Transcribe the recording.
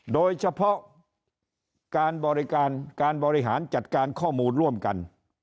โดยเฉพาะการบริการการบริหารจัดการข้อมูลร่วมกัน